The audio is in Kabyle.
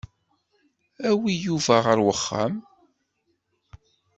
Awi Yuba ɣer uxxam.